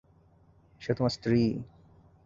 সে তোমার স্ত্রী!